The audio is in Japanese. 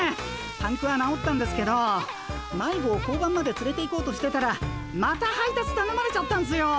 パンクは直ったんですけど迷子を交番までつれていこうとしてたらまた配達たのまれちゃったんすよ。